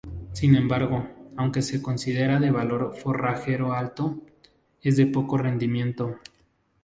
Sin embargo, aunque se considera de valor forrajero alto, es de poco rendimiento.